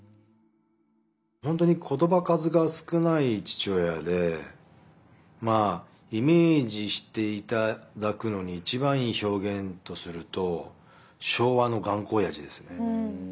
ほんとに言葉数が少ない父親でまあイメージして頂くのに一番いい表現とすると昭和の頑固親父ですね。